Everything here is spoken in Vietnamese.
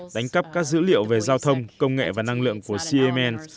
đánh cắp các dữ liệu về giao thông công nghệ và năng lượng của cm